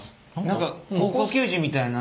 何か高校球児みたいなね。